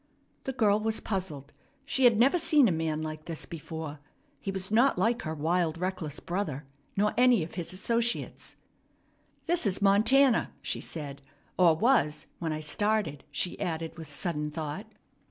The girl was puzzled. She had never seen a man like this before. He was not like her wild, reckless brother, nor any of his associates. "This is Montana," she said, "or was, when I started," she added with sudden thought.